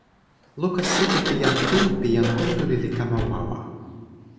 luka sike pi jan Tu pi jan Kuntuli li kama wawa.